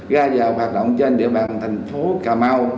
ra vào hoạt động trên địa bàn thành phố cà mau